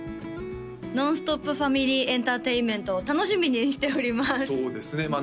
ノンストップファミリーエンターテインメントを楽しみにしておりますそうですね